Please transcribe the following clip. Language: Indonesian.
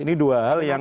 ini dua hal yang